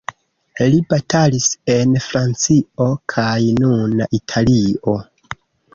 Li batalis en Francio kaj nuna Italio.